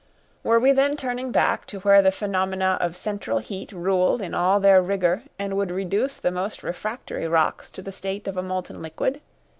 Were we then turning back to where the phenomena of central heat ruled in all their rigour and would reduce the most refractory rocks to the state of a molten liquid?